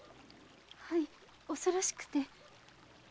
はい恐ろしくて。